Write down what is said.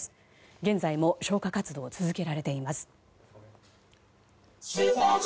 現在も消火活動が続けられています。